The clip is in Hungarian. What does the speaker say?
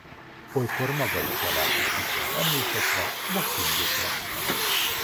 Olykor maga is vadászik kisebb emlősökre vagy hüllőkre.